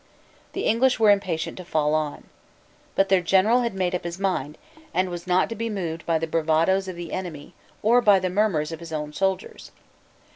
The English were impatient to fall on. But their general had made up his mind, and was not to be moved by the bravadoes of the enemy or by the murmurs of his own soldiers.